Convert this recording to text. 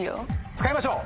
使いましょう！